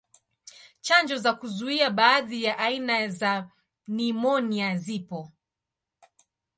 Chanjo za kuzuia baadhi ya aina za nimonia zipo.